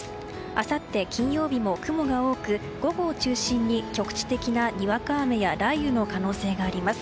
あさって金曜日も雲が多く午後を中心に局地的なにわか雨や雷雨の可能性があります。